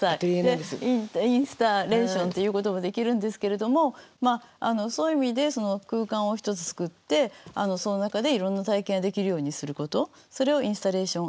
でインスタレーションって言うこともできるんですけれどもそういう意味で空間を一つ作ってその中でいろんな体験ができるようにすることそれをインスタレーション